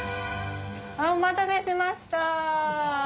お待たせしました。